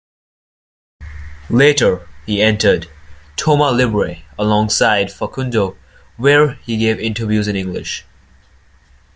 Later, he entered "Toma Libre" alongside Facundo, where he gave interviews in English.